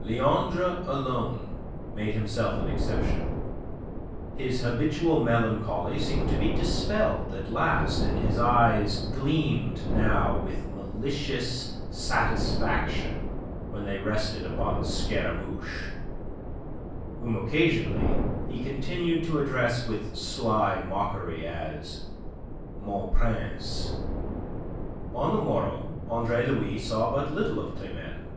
Leandre alone made himself an exception. His habitual melancholy seemed to be dispelled at last, and his eyes gleamed now with malicious satisfaction when they rested upon Scaramouche, whom occasionally he continued to address with sly mockery as "mon prince." On the morrow Andre Louis saw but little of Climene.